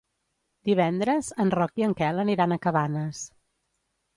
Divendres en Roc i en Quel aniran a Cabanes.